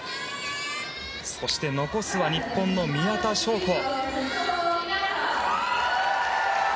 そして残すは日本の宮田笙子。